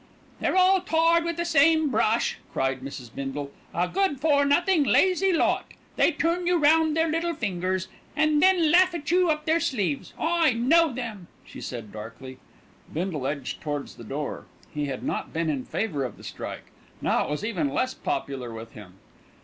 "They're all tarred with the same brush," cried Mrs. Bindle, "a good for nothing, lazy lot. They turn you round their little fingers, and then laugh at you up their sleeves. I know them," she added darkly. Bindle edged towards the door. He had not been in favour of the strike; now it was even less popular with him.